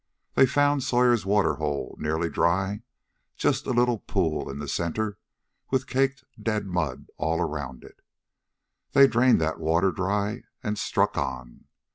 They found Sawyer's water hole nearly dry, just a little pool in the center, with caked, dead mud all around it. They drained that water dry and struck on.